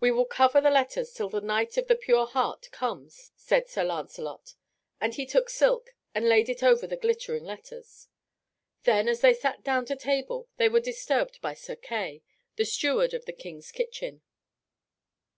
"We will cover the letters till the Knight of the Pure Heart comes," said Sir Lancelot; and he took silk and laid it over the glittering letters. Then as they sat down to table they were disturbed by Sir Kay, the steward of the King's kitchen.